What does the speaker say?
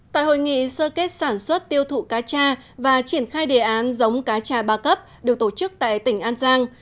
tại hội nghị sơ kết sản xuất tiêu thụ cá trà và triển khai đề án giống cá trà ba cấp được tổ chức tại tỉnh an giang